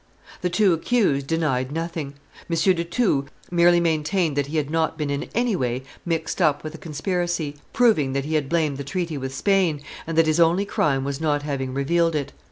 The two accused denied nothing. M. de Thou merely maintained that he had not been in any way mixed up with the conspiracy, proving that he had blamed the treaty with Spain, and that his only crime was not having revealed it.